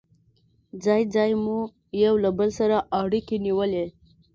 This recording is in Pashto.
ځای ځای مو یو له بل سره اړيکې نیولې.